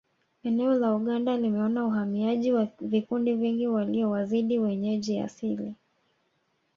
Eneo la Uganda limeona uhamiaji wa vikundi vingi waliowazidi wenyeji asili